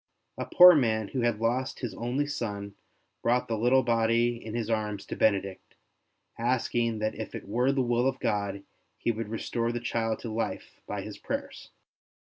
A poor man who had lost his only son brought the little body in his arms to Benedict, asking that if it were the will of God he would restore the child to life by his prayers.